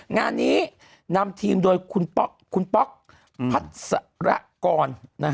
งานนี้นำทีมโดยคุณป๊อกพัสระกร